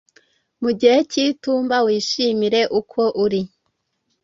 mugihe cy'itumba wishimire uko uri.